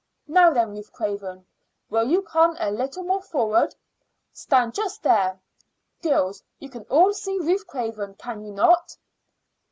Now then, Ruth Craven, will you come a little more forward? Stand just there. Girls, you can all see Ruth Craven, can you not?"